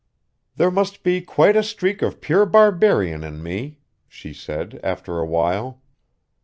"There must be quite a streak of pure barbarian in me," she said after a while.